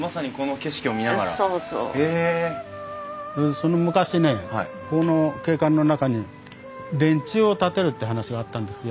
その昔ねこの景観の中に電柱を建てるって話があったんですよ。